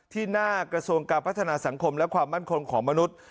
ที่หน้ากระทรวงการพัฒนาสังคมและความมั่นคงของมนุษย์